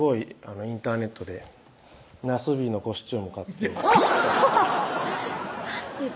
インターネットでなすびのコスチューム買ってなすび？